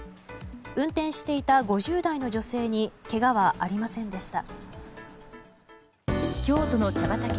運転していた５０代の女性にけがはありませんでした。